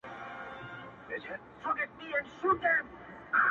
او چي روږد سي د بادار په نعمتونو -